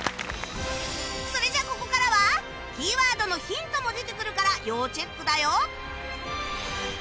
それじゃあここからはキーワードのヒントも出てくるから要チェックだよ